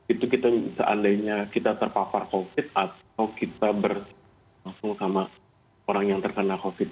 itu kita seandainya kita terpapar covid atau kita berlangsung sama orang yang terkena covid